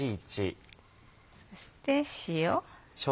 そして塩。